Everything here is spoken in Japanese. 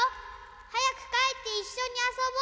はやくかえっていっしょにあそぼう。